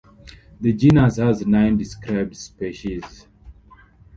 The genus has nine described species.